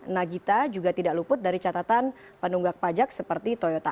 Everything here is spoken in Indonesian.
nagita juga tidak luput dari catatan penunggak pajak seperti toyota